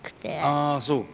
あそうか。